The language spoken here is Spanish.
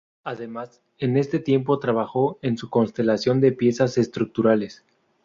Además, en este tiempo trabajó en su constelación de piezas estructurales.